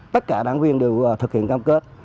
tất cả đảng viên đều thực hiện cam kết